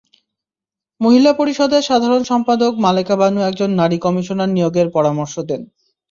মহিলা পরিষদের সাধারণ সম্পাদক মালেকা বানু একজন নারী কমিশনার নিয়োগের পরামর্শ দেন।